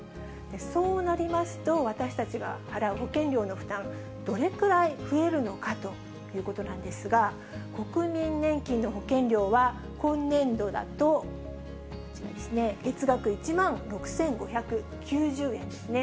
そうなりますと、私たちが払う保険料の負担、どれくらい増えるのかということなんですが、国民年金の保険料は、今年度だと、こちらですね、月額１万６５９０円ですね。